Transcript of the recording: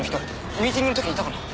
ミーティングの時にいたかな？